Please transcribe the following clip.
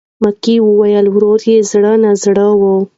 میکا وویل ورور یې زړه نا زړه و.